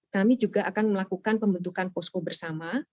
kami juga akan melakukan pembentukan posko bersama